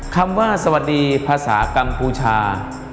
คำว่าสวัสดีภาษากัมพูชา